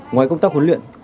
ngoài công tác huấn luyện